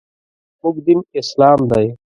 موږ دین اسلام دی .